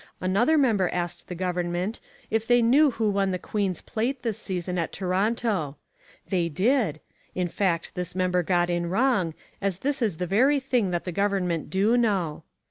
Another member asked the government if they knew who won the Queen's Plate this season at Toronto. They did, in fact this member got in wrong, as this is the very thing that the government do know.